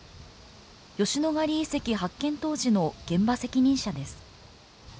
吉野ヶ里遺跡発見当時の現場責任者です。